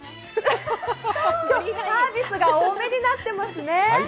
今日はサービスが多めになっていますね。